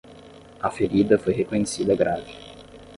A ferida foi reconhecida grave.